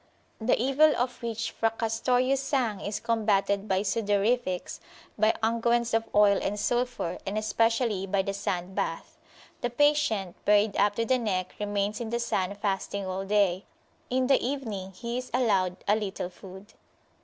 The evil of which Fracastorius sang is combated by sudorifics, by unguents of oil and sulphur, and especially by the sand bath. The patient, buried up to the neck, remains in the sun fasting all day; in the evening he is allowed a little food.